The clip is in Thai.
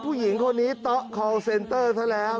ผู้หญิงคนนี้โต๊ะคอลเซนเตอร์ซะแล้ว